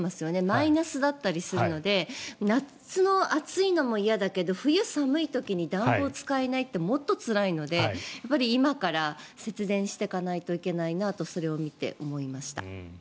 マイナスだったりするので夏の暑いのも嫌だけど冬、寒い時に暖房を使えないってもっとつらいのでやっぱり今から節電していかないといけないなとそれを見て思いました。